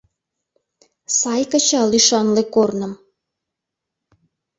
Сай кычал ӱшанле корным.